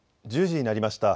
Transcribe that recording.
１０時になりました。